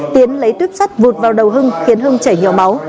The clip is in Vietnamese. tiến lấy tuyếp sắt vụt vào đầu hưng khiến hưng chảy nhiều máu